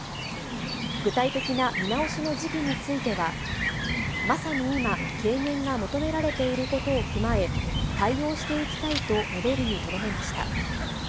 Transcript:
具体的な見直しの時期については、まさに今、軽減が求められていることを踏まえ、対応していきたいと述べるにとどめました。